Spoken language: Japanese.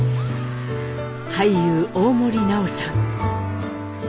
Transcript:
俳優大森南朋さん。